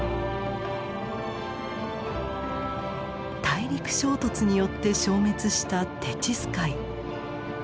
大陸衝突によって消滅したテチス海。